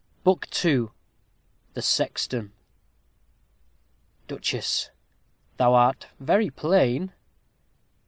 BOOK II THE SEXTON Duchess. Thou art very plain.